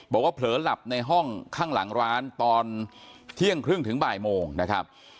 เผลอหลับในห้องข้างหลังร้านตอนเที่ยงครึ่งถึงบ่ายโมงนะครับ